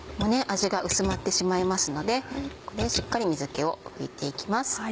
味が薄まってしまいますのでここでしっかり水気を拭いて行きます。